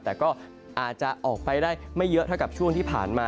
แต่ก็อาจจะออกไปได้ไม่เยอะเท่ากับช่วงที่ผ่านมา